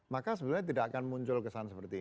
maka sebenarnya tidak akan muncul kesan seperti ini